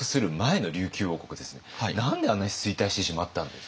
何であんなに衰退してしまったんですか？